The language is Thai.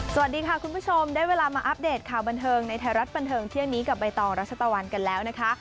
สวัสดีค่ะคุณผู้ชมได้เวลามาอัปเดตข่าวบันเทิงในไทยรัฐบันเทิงเที่ยงนี้กับใบตองรัชตะวันกันแล้วนะคะ